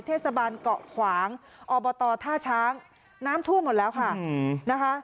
เทศบาลเกาะขวางอบตท่าช้างน้ำท่วมหมดแล้วค่ะนะคะ